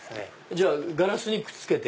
じゃあガラスにくっつけて。